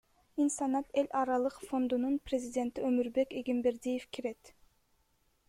Инсанат эл аралык фондунун президенти Өмурбек Эгембердиев кирет.